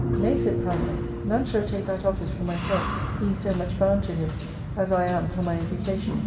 "Nay," said Pamela, "none shall take that office from myself, being so much bound to him as ARCADIA.^Book L 103 I am for my education."